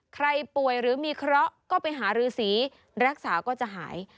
ใครป่วยหรือมีเคราะห์ก็ไปหารือสีรักษาก็จะหาย